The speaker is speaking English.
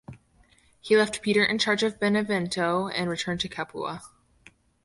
He left Peter in charge of Benevento and returned to Capua.